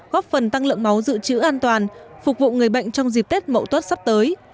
góp phần tăng lượng máu dự trữ an toàn phục vụ người bệnh trong dịp tết mậu tuất sắp tới